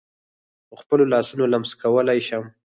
په خپلو لاسونو لمس کولای شم.